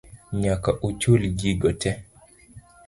Nyaka uchul gigo tee